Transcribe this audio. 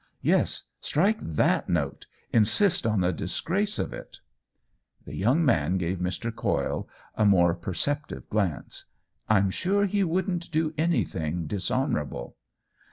" Yes, strike that note — insist on the dis grace of it." The young man gave Mr. Coyle a more OWEN WINGRAVE 157 perceptive glance. " I'm sure he wouldn't do anything dishonorable."